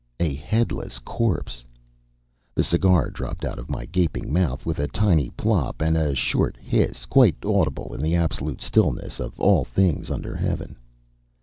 A headless corpse! The cigar dropped out of my gaping mouth with a tiny plop and a short hiss quite audible in the absolute stillness of all things under heaven.